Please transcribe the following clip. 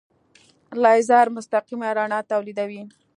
لیزر مستقیمه رڼا تولیدوي.